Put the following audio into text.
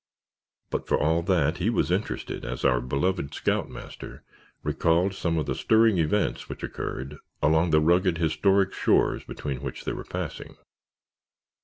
But for all that he was interested as "our beloved scoutmaster" recalled some of the stirring events which occurred along the rugged, historic shores between which they were passing.